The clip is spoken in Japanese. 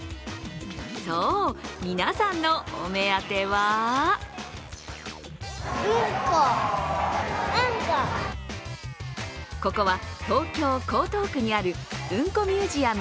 そう、皆さんのお目当てはここは東京・江東区にあるうんこミュージアム